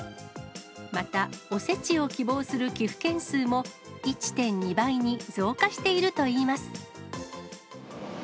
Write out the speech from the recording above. またおせちを希望する寄付件数も１．２倍に増加しているといいます。